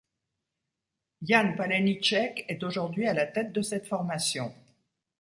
Jan Páleníček est aujourd'hui à la tête de cette formation.